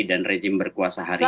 rejim berkuasa hari ini